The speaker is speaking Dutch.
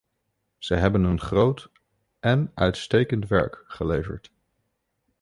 Zij hebben een groot en uitstekend werk geleverd.